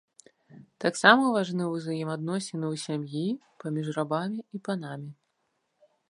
Таксама важны ўзаемаадносіны ў сям'і, паміж рабамі і панамі.